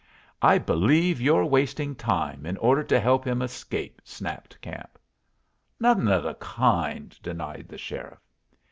"I believe you're wasting time in order to help him escape," snapped Camp. "Nothin' of the kind," denied the sheriff.